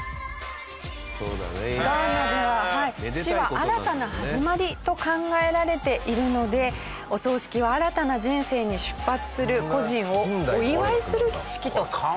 ガーナでは「死」は「新たな始まり」と考えられているのでお葬式は新たな人生に出発する故人をお祝いする儀式と。